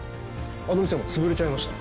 あの店はもう潰れちゃいました。